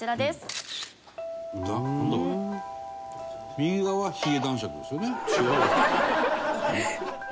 右側は髭男爵ですよね。